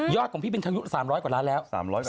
ยอดของพี่เป็นทั้งยุค๓๐๐กว่าล้านแล้ว